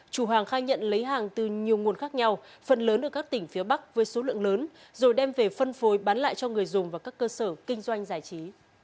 chủ hàng khai nhận lấy hàng từ nhiều nguồn khác nhau phần lớn ở các tỉnh phía bắc với số lượng lớn rồi đem về phân phối bán lại cho người dùng và các cơ sở kinh doanh giải trí